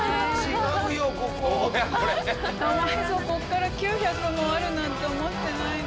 かわいそうこっから９００もあるなんて思ってないのに。